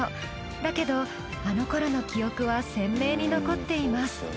だけどあの頃の記憶は鮮明に残っています。